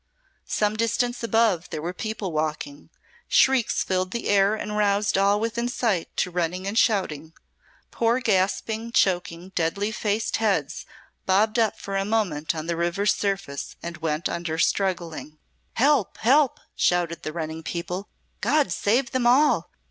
Some distance above there were people walking. Shrieks filled the air and roused all within sight to running and shouting. Poor gasping, choking, deadly faced heads bobbed up a moment on the river's surface and went under struggling. "Help! Help!" shouted the running people. "God save them all!